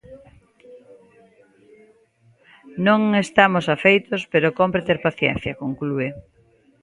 "Non estamos afeitos, pero cómpre ter paciencia", conclúe.